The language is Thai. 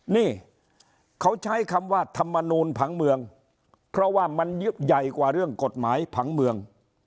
นี่เขาใช้คำว่าธรรมนูลผังเมืองเพราะว่ามันใหญ่กว่าเรื่องกฎหมายผังเมือง